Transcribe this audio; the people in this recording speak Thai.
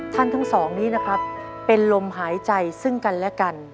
ทั้งสองนี้นะครับเป็นลมหายใจซึ่งกันและกัน